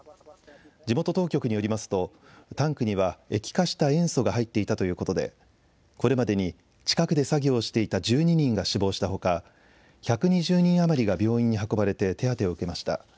地元当局によりますと、タンクには液化した塩素が入っていたということで、これまでに近くで作業していた１２人が死亡したほか、１２０人余りが病院に運ばれて手当てを受けました。